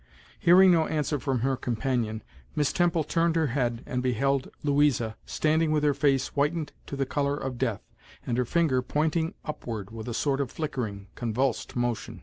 Hearing no answer from her companion, Miss Temple turned her head and beheld Louisa, standing with her face whitened to the color of death, and her finger pointing upward with a sort of flickering, convulsed motion.